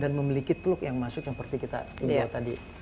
dan memiliki teluk yang masuk seperti yang kita sebutkan tadi